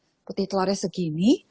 protein putih telurnya segini